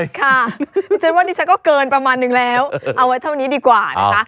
ดิฉันว่าดิฉันก็เกินประมาณนึงแล้วเอาไว้เท่านี้ดีกว่านะคะ